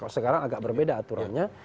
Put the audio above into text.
sekarang agak berbeda aturannya